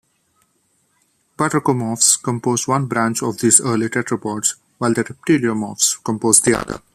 Batrachomorphs composed one branch of these early tetrapods, while the reptiliomorphs composed the other.